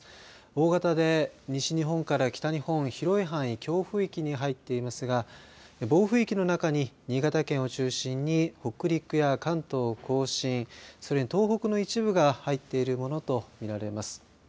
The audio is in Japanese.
大型で西日本から北日本、広い範囲で強風域に入っていますが暴風域の中に新潟県を中心に北陸や関東甲信それに東北の一部が入っているものとみられます。